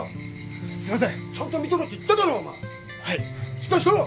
しっかりしろ！